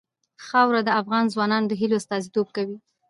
خاوره د افغان ځوانانو د هیلو استازیتوب کوي.